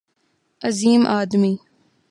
عظیم آدمی